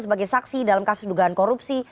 sebagai saksi dalam kasus dugaan korupsi